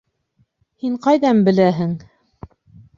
Һин ҡайҙан беләһең?!